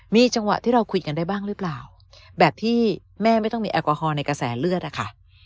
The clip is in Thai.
มีจังหวะที่เราคุยกันได้บ้างหรือเปล่าแบบที่แม่ไม่ต้องมีแอลกอฮอลในกระแสเลือดอะค่ะ